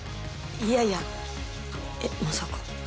いやいやえっまさか。